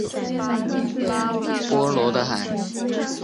波罗的海的沿岸地区是波罗的地区。